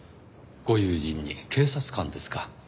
ご友人に警察官ですか。